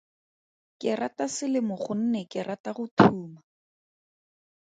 Ke rata selemo gonne ke rata go thuma.